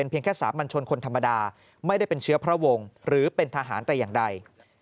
เพียงแค่สามัญชนคนธรรมดาไม่ได้เป็นเชื้อพระวงศ์หรือเป็นทหารแต่อย่างใด